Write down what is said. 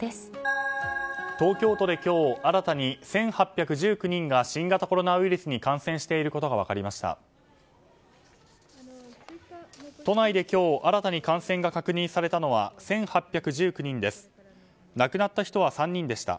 東京都で今日新たに１８１９人が新型コロナウイルスに感染していることが分かりました。